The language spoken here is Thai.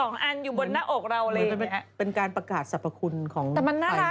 ยังไม่บอกค่ะเราแจกทุกวันนั่นแหละ